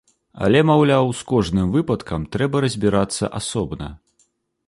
Але, маўляў, з кожным выпадкам трэба разбірацца асобна.